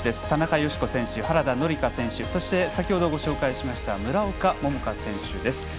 田中佳子選手、原田紀香選手そして先ほどご紹介しました村岡桃佳選手です。